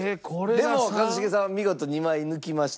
でも一茂さんは見事２枚抜きました。